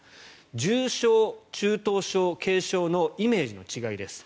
重症、中等症、軽症のイメージの違いです。